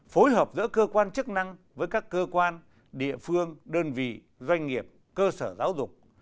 phối hợp giữa cơ quan chức năng với các cơ quan địa phương đơn vị doanh nghiệp cơ sở giáo dục